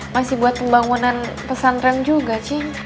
masih buat pembangunan pesan rem juga cing